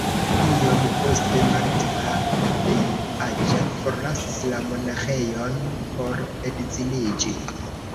Iom poste Martha, la plej aĝa, forlasis la monaĥejon por edziniĝi.